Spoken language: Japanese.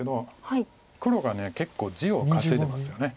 黒が結構地を稼いでますよね。